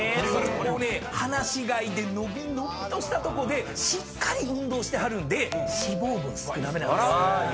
もうね放し飼いで伸び伸びとしたとこでしっかり運動してはるんで脂肪分少なめなんです。